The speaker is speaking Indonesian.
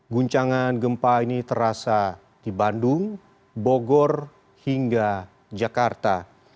guncangan gempa ini terasa di bandung bogor hingga jakarta